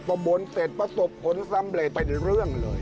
พอบนเสร็จประสบผลสำเร็จเป็นเรื่องเลย